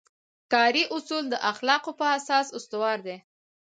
کاري اصول د اخلاقو په اساس استوار دي.